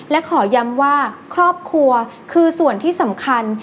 และขอย้ำว่าครอบครัวคือส่วนที่สำคัญ